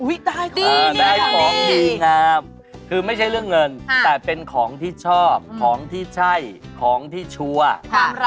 อีกคี่ด้านไม่ใช่เรื่องเงินแต่เป็นของที่ชอบของที่ใช่ของที่เชื่อ